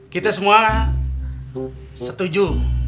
kita semua setuju